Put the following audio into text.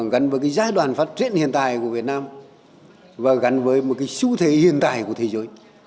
gắn với cái giai đoạn phát triển hiện tại của việt nam và gắn với một cái xu thế hiện tại của thế giới